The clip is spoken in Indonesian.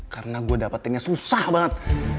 karena gue dapetinnya susah banget